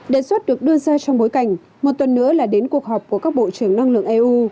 đề xuất được đưa ra trong bối cảnh một tuần nữa là đến cuộc họp của các bộ trưởng năng lượng eu